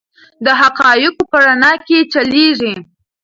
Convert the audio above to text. د حقایقو په رڼا کې چلیږي.